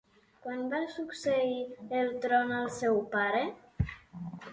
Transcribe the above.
I quan va succeir el tron al seu pare?